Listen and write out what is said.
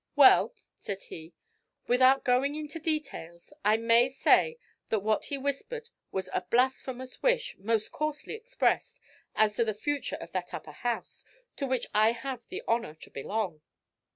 "Well," said he, "without going into details, I may say that what he whispered was a blasphemous wish, most coarsely expressed, as to the future of that Upper House to which I have the honor to belong."